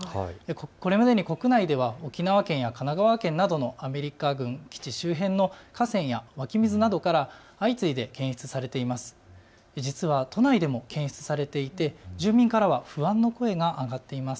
これまでに国内では沖縄県や神奈川県などのアメリカ軍基地周辺の河川や湧き水などから相次いで検出されています。